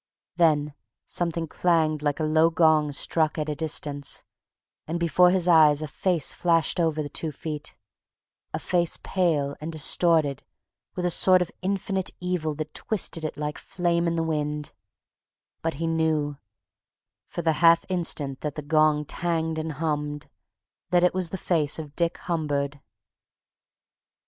Then something clanged like a low gong struck at a distance, and before his eyes a face flashed over the two feet, a face pale and distorted with a sort of infinite evil that twisted it like flame in the wind; _but he knew, for the half instant that the gong tanged and hummed, that it was the face of Dick Humbird.